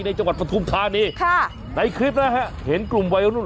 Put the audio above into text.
ในจังหวัดประธุมธาณีในคลิปนะครับเห็นกลุ่มไว้ข้างนู้น